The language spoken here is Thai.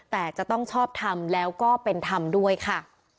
แต่จะต้องชอบทำแล้วก็เป็นธรรมด้วยค่ะ